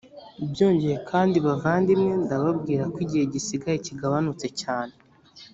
byongeye kandi bavandimwe ndababwira ko igihe gisigaye kigabanutse cyane